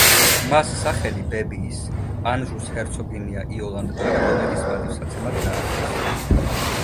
მას სახელი ბებიის, ანჟუს ჰერცოგინია იოლანდ არაგონელის პატივსაცემად დაარქვეს.